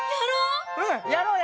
やろう！